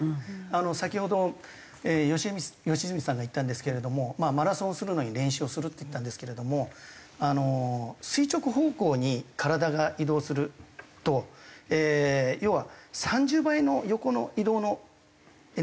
先ほど良純さんが言ったんですけれども「マラソンするのに練習をする」って言ったんですけれども垂直方向に体が移動すると要は３０倍の横の移動のエネルギーがかかるんですよね。